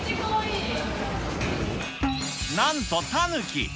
なんとタヌキ。